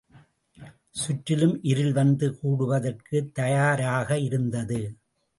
சுற்றிலும் இருள் வந்து கூடுவதற்குத் தயாராக இருந்தது.